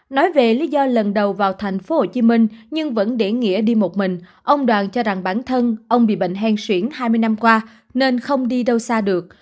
nói về lý do lần đầu vào tp hcm nhưng vẫn để nghĩa đi một mình ông đoàn cho rằng bản thân ông bị bệnh hen xuyển hai mươi năm qua nên không đi đâu xa được